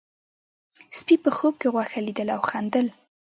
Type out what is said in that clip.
سپي په خوب کې غوښه لیدله او خندل.